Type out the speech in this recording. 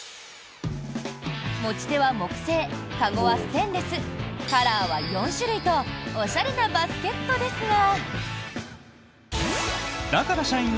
持ち手は木製、籠はステンレスカラーは４種類とおしゃれなバスケットですが。